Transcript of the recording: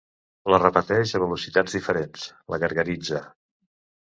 La repeteix a velocitats diferents, la gargaritza.